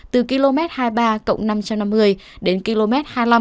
từ km hai mươi ba năm trăm năm mươi đến km hai mươi năm chín trăm tám mươi năm